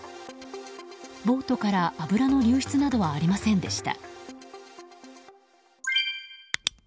ボートから油の流出などはありませんでした。